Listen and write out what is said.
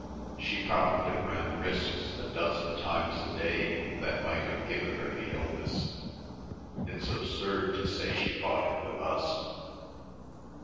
She probably ran risks a dozen times a day that might have given her the illness. It's absurd to say she caught it with us."